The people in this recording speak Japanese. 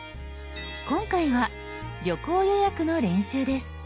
今回は旅行予約の練習です。